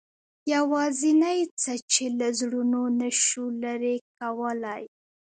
یوازینۍ څه چې له زړونو نه شو لرې کولای.